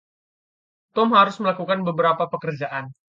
Tom harus melakukan beberapa perkerjaan.